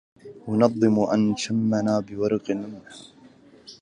أنظلم أن شمنا بوارق لمحا